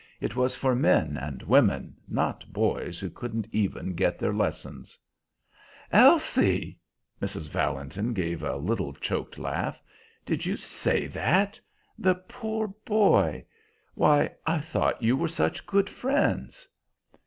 It was for men and women, not boys who couldn't even get their lessons." "Elsie!" Mrs. Valentin gave a little choked laugh. "Did you say that? The poor boy! Why, I thought you were such good friends!"